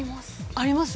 あります？